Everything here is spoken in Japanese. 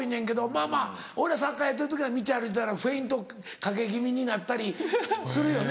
まぁまぁ俺らサッカーやってる時は道歩いてたらフェイントかけ気味になったりするよね？